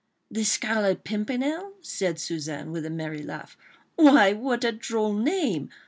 "The Scarlet Pimpernel?" said Suzanne, with a merry laugh. "Why! what a droll name!